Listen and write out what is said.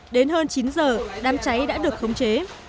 đến hơn chín giờ đám cháy đã được khống chế